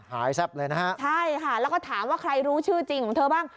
แซ่บเลยนะฮะใช่ค่ะแล้วก็ถามว่าใครรู้ชื่อจริงของเธอบ้าง